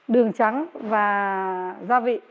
đường trắng và gia vị